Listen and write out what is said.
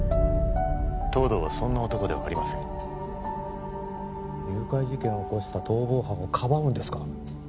東堂はそんな男ではありません誘拐事件を起こした逃亡犯をかばうんですか